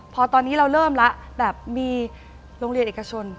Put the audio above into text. พอตอนนี้เราเริ่มแล้วแบบมีโรงเรียนเอกชน